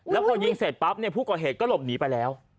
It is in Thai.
แล้วพอยิงเสร็จปั๊บเนี่ยผู้ก่อเหตุก็หลบหนีไปแล้ว